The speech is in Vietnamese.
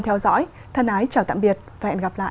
theo thân ái chào tạm biệt và hẹn gặp lại